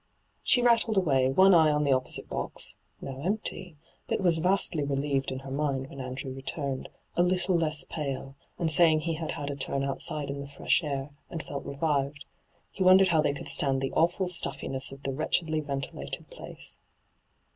She rattled away, one eye on the opposite box — now empty — but was vastly relieved in her mind when Andrew returned, a little less pale, and saying he had had a turn outside in the fresh air, and felt revived ; he wondered how they could stand the awfiil stuffiness of hyGoo>^lc ENTRAPPED 171 the wretchedly ventilated place.